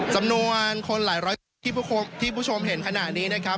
จำนวนคนหลายร้อยที่คุณผู้ชมเห็นขณะนี้นะครับ